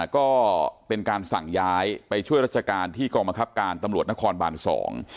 ก็เป็นการสั่งย้ายไปช่วยราชการที่กองบังคับการตำรวจนครบานสอง